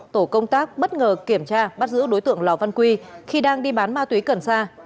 tổ công tác bất ngờ kiểm tra bắt giữ đối tượng lò văn quy khi đang đi bán ma túy cần sa